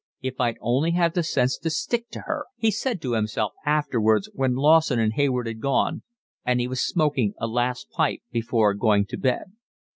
"If I'd only had the sense to stick to her!" he said to himself, afterwards, when Lawson and Hayward had gone and he was smoking a last pipe before going to bed.